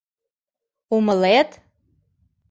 Умылет?